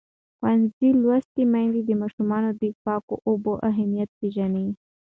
ښوونځې لوستې میندې د ماشومانو د پاکو اوبو اهمیت پېژني.